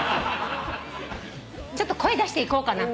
ちょっと声出していこうかな。